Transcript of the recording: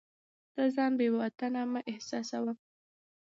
ته ځان بې وطنه مه احساسوه.